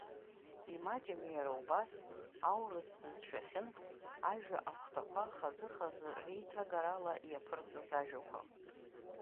Имаҷым иара убас аурыс бызшәахьынтә ажәа ахәҭақәа хазы-хазы реиҭагарала иаԥырҵаз ажәақәа…